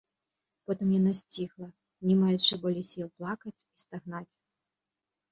Потым яна сціхла, не маючы болей сіл плакаць і стагнаць.